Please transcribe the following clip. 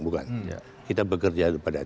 bukan kita bekerja pada